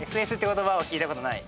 言葉は聞いたことない？